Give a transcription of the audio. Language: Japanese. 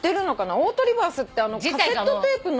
オートリバースってカセットテープの。